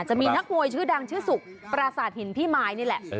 จะมีนักมวยชื่อดังชื่อสุกปราสาทหินพี่มายนี่แหละ